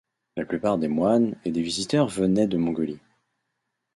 La plupart des moines et des visiteurs venaient de Mongolie.